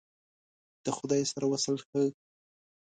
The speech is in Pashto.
د خدای سره وصل ښه !